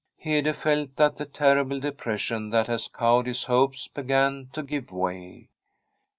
Hede felt that the terrible depression that had cowed his hopes began to give way.